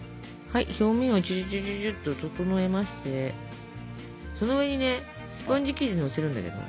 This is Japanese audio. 表面をチュチュチュチュチュっと整えましてその上にねスポンジ生地のせるんだけど。